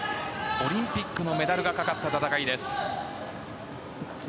オリンピックのメダルがかかった戦いです。